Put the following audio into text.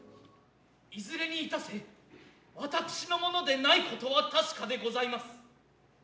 いづれにいたせ私のものでないことは確でございます。